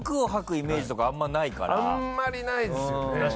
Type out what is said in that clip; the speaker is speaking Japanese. あんまりないですよね。